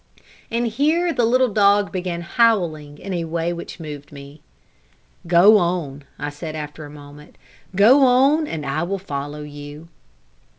And here the little dog began howling in a way which moved me. "Go on," I said, after a moment; "go on; I will follow you."